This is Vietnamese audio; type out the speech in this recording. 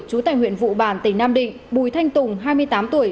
chú tài huyện vụ bản tỉnh nam định bùi thanh tùng hai mươi tám tuổi